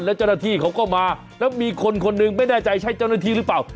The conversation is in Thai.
แล้วเจ้าหน้าที่เขาก็มาแล้วมีคนคนหนึ่งไม่แน่ใจใช่เจ้าหน้าที่หรือเปล่า